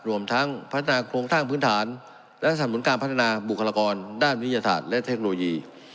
รวมทั้งพัฒนาโครงสร้างพื้นฐานและสนับสนุนการพัฒนาบุคลากรด้านวิทยาศาสตร์และเทคโนโลยี